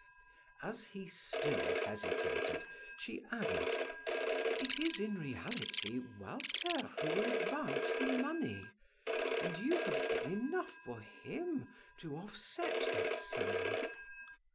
As he still hesitated, she added: "It is in reality Walter who will advance the money, and you have done enough for him to offset that sum."